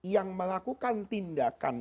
yang melakukan tindakan